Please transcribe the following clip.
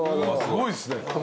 すごいですね。